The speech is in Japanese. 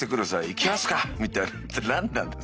「いきますか」みたいなのって何なんです？